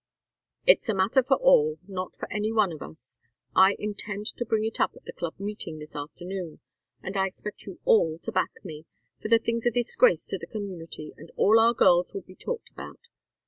"It's a matter for all, not for any one of us. I intend to bring it up at the Club Meeting this afternoon, and I expect you all to back me, for the thing's a disgrace to the community, and all our girls will be talked about.